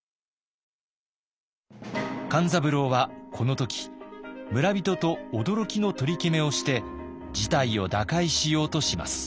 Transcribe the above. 勘三郎はこの時村人と驚きの取り決めをして事態を打開しようとします。